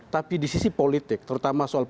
tapi di sisi politik terutama soal